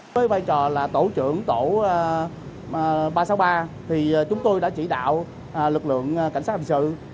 với vai trò là tổ trưởng tổ ba trăm sáu mươi ba chúng tôi đã chỉ đạo lực lượng cảnh sát hành sự